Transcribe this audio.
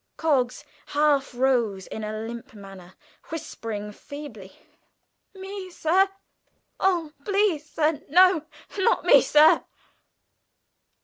Coggs half rose in a limp manner, whimpering feebly, "Me, sir? Oh, please sir no, not me, sir!"